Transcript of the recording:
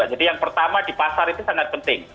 jadi yang pertama di pasar itu sangat penting